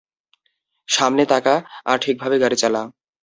সামনে তাকা আর ঠিকভাবে গাড়ি চালা!